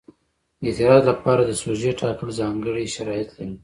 د اعتراض لپاره د سوژې ټاکل ځانګړي شرایط لري.